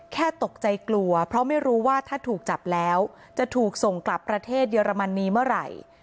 ตกใจกลัวเพราะไม่รู้ว่าถ้าถูกจับแล้วจะถูกส่งกลับประเทศเยอรมนีเมื่อไหร่